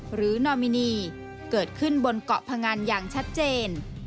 นอมินีเกิดขึ้นบนเกาะพงันอย่างชัดเจน